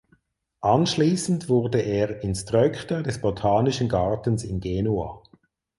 Anschließend wurde er Instructor des Botanischen Gartens in Genua.